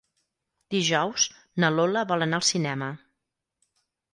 Dijous na Lola vol anar al cinema.